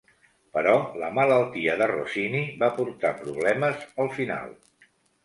Però la malaltia de Rossini va portar problemes al final.